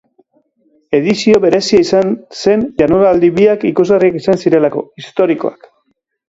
Edizio berezia izan zen jardunaldi biak ikusgarriak izan zirelako, historikoak.